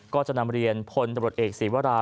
ก็จะนำเรียนพลตำรวจเอกศีวรา